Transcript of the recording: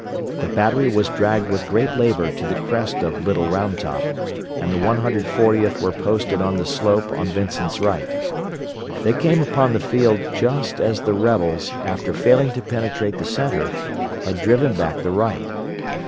The battery was dragged with great labor to the crest of Little Round Top, and the 140th were posted on the slope on Vincent's right. They came upon the field just as the rebels, after failing to penetrate the centre, had driven back the right.